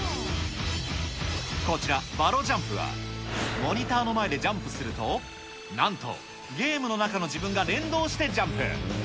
こちら、ヴァロ・ジャンプは、モニターの前でジャンプすると、なんと、ゲームの中の自分が連動してジャンプ。